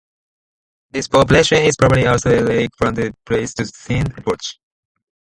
This population is probably also a relic from the Pleistocene epoch.